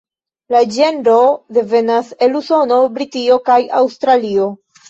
La ĝenro devenas el Usono, Britio, kaj Aŭstralio.